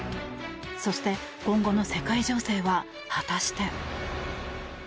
そして、今後の世界情勢は果たして。